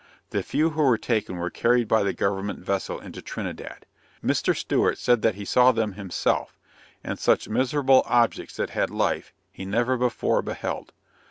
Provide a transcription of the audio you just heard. The few who were taken were carried by the government vessel into Trinidad. Mr. Stewart said that he saw them himself, and such miserable objects, that had life, he never before beheld.